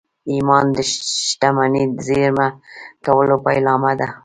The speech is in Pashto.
ایمان د شتمنۍ د زېرمه کولو پیلامه ده